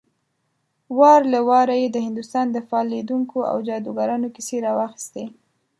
وار له واره يې د هندوستان د فال ليدونکو او جادوګرانو کيسې راواخيستې.